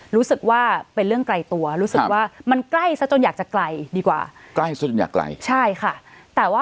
เราก็อยากจะแบบ